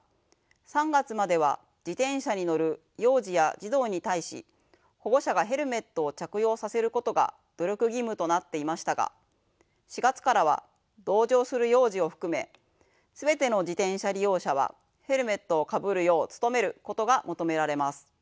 ３月までは自転車に乗る幼児や児童に対し保護者がヘルメットを着用させることが努力義務となっていましたが４月からは同乗する幼児を含め全ての自転車利用者はヘルメットをかぶるよう努めることが求められます。